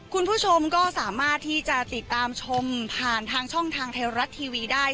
คุณผู้ชมก็สามารถที่จะติดตามชมผ่านทางช่องทางไทยรัฐทีวีได้